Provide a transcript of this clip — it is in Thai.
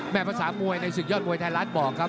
ภาษามวยในศึกยอดมวยไทยรัฐบอกครับ